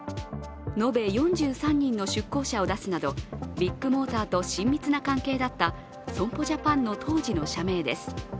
延べ４３人の出向者を出すなどビッグモーターと親密な関係だった損保ジャパンの当時の社名です。